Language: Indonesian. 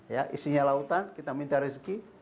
ya isinya lautan kita minta rezeki